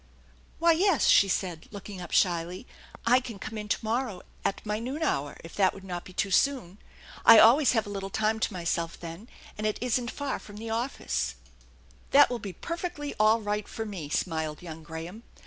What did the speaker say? " Why, yes," she said, looking up shyly, " I can come in to morrow at my noon hour if that would not be too soon. I always have a little time to myself then, and it isn't far from the office." THE ENCHANTED BARN 3 "That will be perfectly all right for me," smiled young Graham.